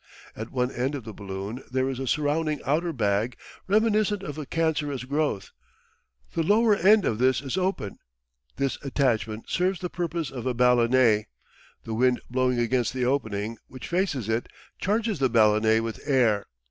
At one end of the balloon there is a surrounding outer bag, reminiscent of a cancerous growth. The lower end of this is open. This attachment serves the purpose of a ballonet. The wind blowing against the opening, which faces it, charges the ballonet with air.